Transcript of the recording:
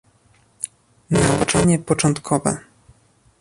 Nauczanie początkowe